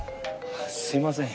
すいません。